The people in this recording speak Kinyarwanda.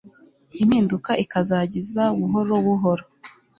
impinduka ikazajya iza buhoro buhoro